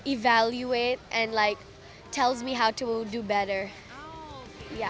dia evaluasi dan bilang bagaimana cara untuk berjaya